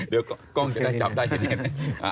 เดี๋ยวกล้องจะได้จับได้